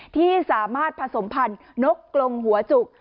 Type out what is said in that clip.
ที่สามารถผสมพันธุ์นกกลงหัวจุก